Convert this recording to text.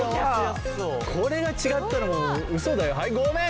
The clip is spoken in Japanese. これが違ったらもうウソだよ。はいごめん。